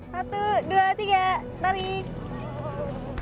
satu dua tiga tarik